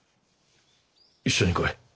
一緒に来い。